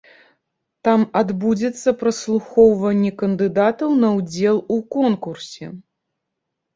Там адбудзецца праслухоўванне кандыдатаў на ўдзел у конкурсе.